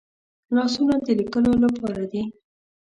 لاسونه د لیکلو لپاره دي